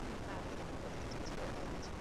আর আমাকে তার নম্বর দিতে চেয়েছিল তাই দিয়েছে।